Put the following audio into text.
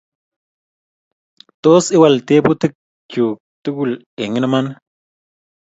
tos iwal tebutik chuk tugul eng iman